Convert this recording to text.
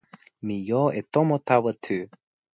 mi jo e tomo tawa tu.